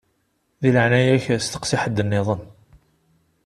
Di leɛnaya-k steqsi ḥedd-nniḍen.